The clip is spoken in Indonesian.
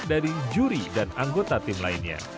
dari juri dan anggota tim lainnya